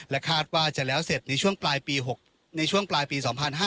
คาดว่าจะแล้วเสร็จในช่วงปลายปี๒๕๕๙